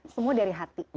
semua dari hati